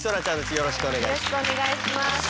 よろしくお願いします。